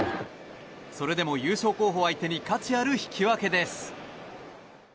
それでも優勝候補相手に価値ある引き分けです。